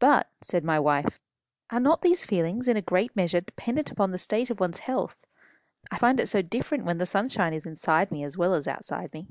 "But," said my wife, "are not these feelings in a great measure dependent upon the state of one's health? I find it so different when the sunshine is inside me as well as outside me."